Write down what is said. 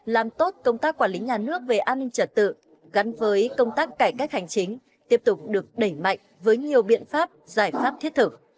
làm tốt công tác quản lý nhà nước về an ninh trật tự gắn với công tác cải cách hành chính tiếp tục được đẩy mạnh với nhiều biện pháp giải pháp thiết thực